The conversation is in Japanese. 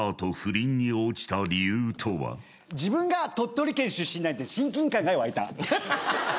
自分が鳥取県出身なんで親近感が湧いた。